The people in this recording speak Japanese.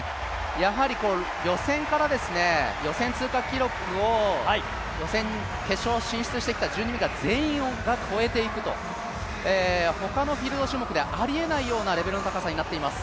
やはり予選通過記録を、決勝進出してきた１２人全員が越えていくと、他のフィールド種目でありえないような記録になっています。